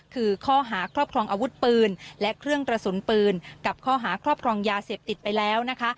คือข้อหาครอบครองอาวุธปืนและเครื่องกระสุนปืนกับข้อหาครอบครองยาเสพติดไปแล้วนะคะ